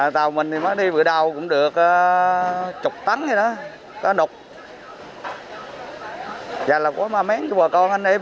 tàu mình đi bữa đầu cũng được